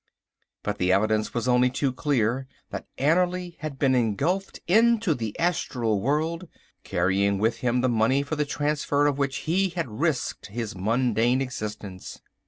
But the evidence was only too clear, that Annerly had been engulfed into the astral world, carrying with him the money for the transfer of which he had risked his mundane existence.